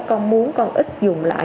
con muốn con ít dùng lại